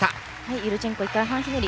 ユルチェンコ１回半ひねり。